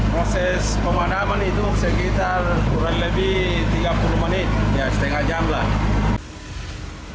proses pemadaman itu sekitar kurang lebih tiga puluh menit ya setengah jam lah